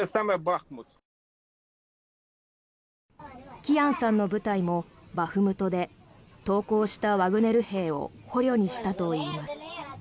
キヤンさんの部隊もバフムトで投降したワグネル兵を捕虜にしたといいます。